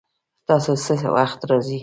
تاسو څه وخت راځئ؟